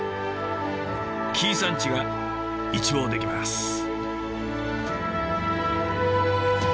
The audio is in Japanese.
紀伊山地が一望できます。